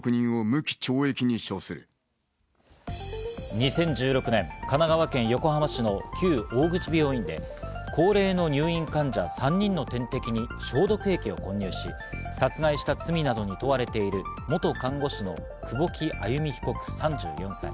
２０１６年、神奈川県横浜市の旧大口病院で高齢の入院患者３人の点滴に消毒液を混入し、殺害した罪などに問われている元看護師の久保木愛弓被告、３４歳。